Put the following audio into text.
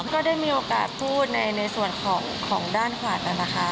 ก็ได้มีโอกาสพูดในส่วนของด้านขวัญนะคะ